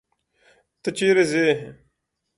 ته چيري ځې؟